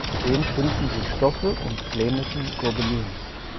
Zudem finden sich Stoffe und flämischen Gobelins.